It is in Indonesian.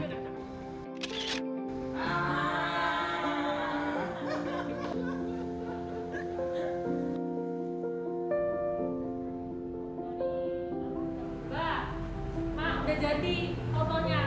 mak udah jadi fotonya